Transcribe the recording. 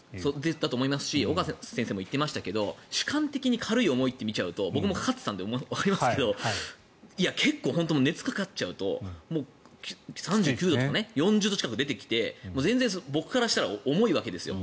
だと思いますし岡先生も言っていましたが主観的に軽い、重いって見ちゃうと僕もかかっていたのでわかりますがいや、結構本当に熱がかかっちゃうと３９度とか４０度近く出てきて全然僕からしたら重いわけですよ。